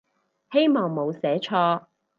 希望冇寫錯